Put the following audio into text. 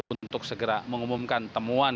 untuk segera mengumumkan temuan